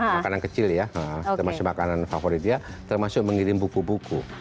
makanan kecil ya termasuk makanan favorit dia termasuk mengirim buku buku